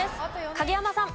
影山さん。